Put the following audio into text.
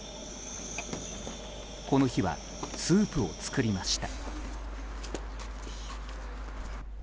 この日はスープを作りました。